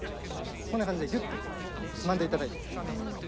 こんな感じでギュッとつまんでいただいていいですか？